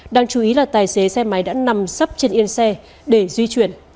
đáng chú ý là tài xế xe máy đã nằm sắp trên yên xe để di chuyển